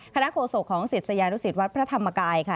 โฆษกของศิษยานุสิตวัดพระธรรมกายค่ะ